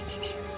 aku mau ke rumah